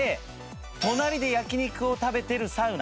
隣で焼き肉を食べてるサウナ。